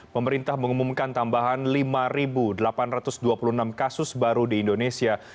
pemerintah mengumumkan tambahan lima delapan ratus dua puluh enam kasus baru di indonesia